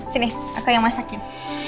sini aku yang masakin